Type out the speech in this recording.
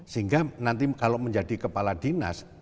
sehingga nanti kalau menjadi kepala dinas